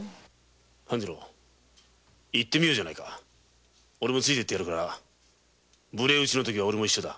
半次郎行ってみようオレもついて行ってやるから無礼討ちの時はオレも一緒だ。